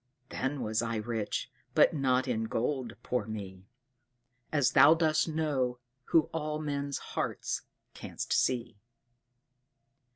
Then was I rich, but not in gold, poor me! As Thou dost know, who all men's hearts canst see.